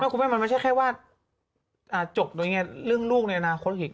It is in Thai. คุณแม่มันไม่ใช่แค่ว่าจบโดยง่ายเรื่องลูกในอนาคตอีก